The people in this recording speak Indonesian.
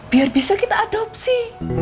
biar bisa kita adopsi